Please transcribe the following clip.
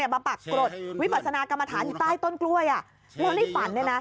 มีความปากกรดวิบสนากรรมฐานที่ใต้ต้นกล้วยแล้วนี่ฝันเนี่ยนะ